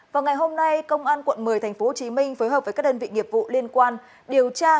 vào ngày hôm nay công an quận một mươi tp hcm phối hợp với các đơn vị nghiệp vụ liên quan điều tra